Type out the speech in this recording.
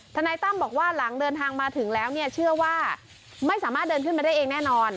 นายตั้มบอกว่าหลังเดินทางมาถึงแล้วเนี่ยเชื่อว่าไม่สามารถเดินขึ้นมาได้เองแน่นอน